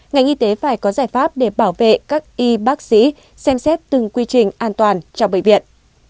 ngành y tế phải có giải pháp để bảo vệ các y bác sĩ xem xét từng quy trình an toàn cho bệnh viện